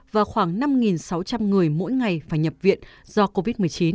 và khoảng năm sáu trăm linh người mỗi ngày phải nhập viện do covid một mươi chín